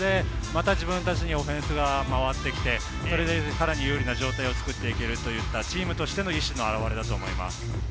やっぱり自分たちにオフェンスが回ってきて、さらに有利な状態を作っていけるというチームとしての意思の表れだと思います。